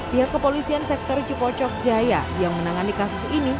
pihak kepolisian sektor cipocok jaya yang menangani kasus ini